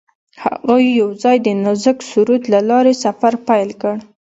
هغوی یوځای د نازک سرود له لارې سفر پیل کړ.